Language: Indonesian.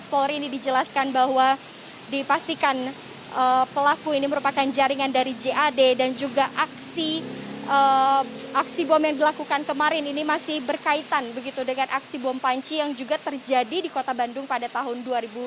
polri ini dijelaskan bahwa dipastikan pelaku ini merupakan jaringan dari jad dan juga aksi bom yang dilakukan kemarin ini masih berkaitan begitu dengan aksi bom panci yang juga terjadi di kota bandung pada tahun dua ribu dua puluh